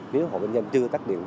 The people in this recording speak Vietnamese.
nếu họ bên dân chưa tắt điện